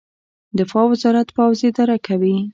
دفاع وزارت پوځ اداره کوي